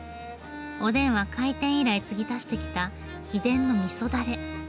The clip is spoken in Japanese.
おでんは開店以来つぎ足してきた秘伝のみそだれ。